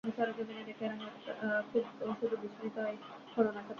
এতে ট্রেনের সামনের কাচ ভেঙে ঢিলটি চালক শাহ আলমের মাথায় লাগে।